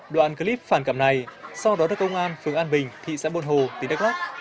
đoạn clip phản cảm này sau đó được công an phường an bình thị xã buôn hồ tỉnh đắk lắc